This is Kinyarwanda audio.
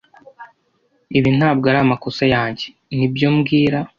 Ibi ntabwo ari amakosa yanjye, nibyo mbwira